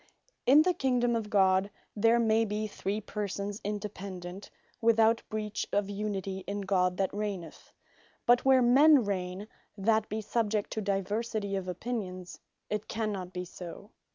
In the Kingdome of God, there may be three Persons independent, without breach of unity in God that Reigneth; but where men Reigne, that be subject to diversity of opinions, it cannot be so.